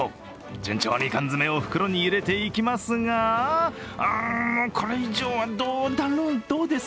順調に缶詰を袋に入れていきますが、うん、これ以上はどうだろう、どうです？